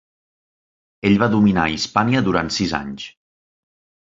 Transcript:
Ell va dominar Hispània durant sis anys.